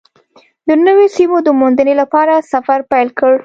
د نویو سیمو د موندنې لپاره سفر پیل کړ.